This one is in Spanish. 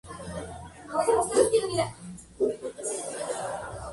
Desde ahí, los rumores sobre sus habilidades y negocios se extendieron rápidamente.